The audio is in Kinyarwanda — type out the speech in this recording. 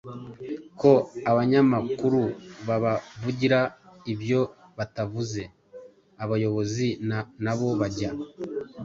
ko abanyamakuru babavugira ibyo batavuze. Abayobozi na bo bajya